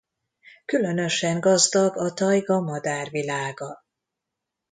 Különösen gazdag a tajga madárvilága.